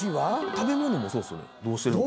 食べ物もそうですよねどうしてるのか。